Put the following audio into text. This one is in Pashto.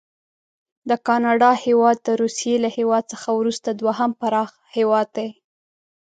د کاناډا هیواد د روسي له هیواد څخه وروسته دوهم پراخ هیواد دی.